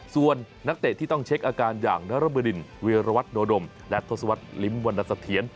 ส่วนนักเตะที่ต้องเช็คอาการอย่างนรบดินเวียรวัตโนดมและทศวรรษลิ้มวรรณสะเทียน